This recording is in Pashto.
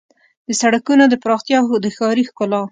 د سړکونو د پراختیا او د ښاري ښکلا